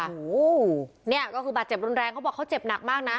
โอ้โหเนี่ยก็คือบาดเจ็บรุนแรงเขาบอกเขาเจ็บหนักมากนะ